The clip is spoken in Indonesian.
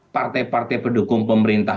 partai partai pendukung pemerintah